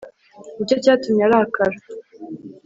nicyo cyatumye arakara